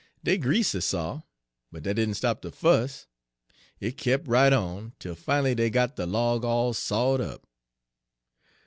Dey greased de saw, but dat didn' stop de fuss; hit kep' right on, tel fin'ly dey got de log all sawed up.